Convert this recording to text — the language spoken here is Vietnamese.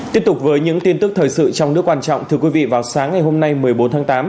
tiếp tục với những tin tức thời sự trong nước quan trọng thưa quý vị vào sáng ngày hôm nay một mươi bốn tháng tám